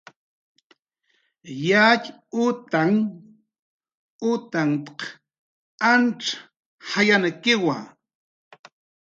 "Yatxutanh utanht"" antz jayankiwa"